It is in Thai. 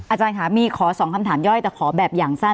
อาจารย์ค่ะมีขอสองคำถามย่อยแต่ขอแบบอย่างสั้น